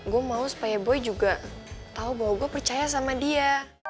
gue mau supaya boy juga tahu bahwa gue percaya sama dia